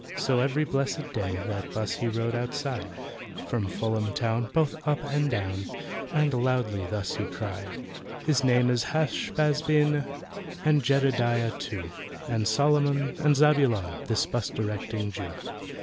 So every blessed day That 'bus he rode outside, From Fulham town, both up and down, And loudly thus he cried: "His name is HASH BAZ BEN, And JEDEDIAH too, And SOLOMON and ZABULON— This 'bus directing Jew."